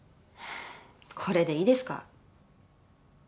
これでいいですか？